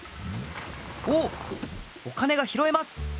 おおっお金がひろえます！